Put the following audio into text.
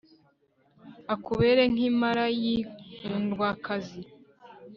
akubere nk'impara y'inkundwakazi